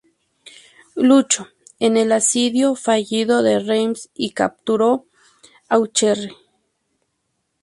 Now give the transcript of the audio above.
Luchó en el asedio fallido de Reims y capturó Auxerre.